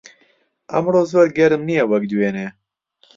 ئەمڕۆ زۆر گەرم نییە وەک دوێنێ.